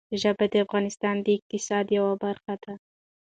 ژبې د افغانستان د اقتصاد یوه برخه ده.